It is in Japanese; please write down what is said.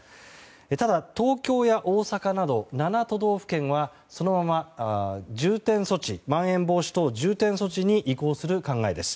ただ、東京や大阪など７都道府県はそのまままん延防止等重点措置に移行する考えです。